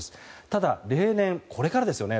ただ例年、これからですよね。